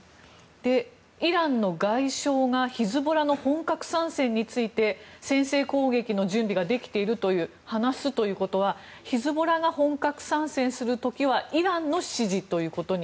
イランの外相がヒズボラの本格参戦について先制攻撃の準備ができていると話すということはヒズボラが本格参戦する時はイランの指示ということに。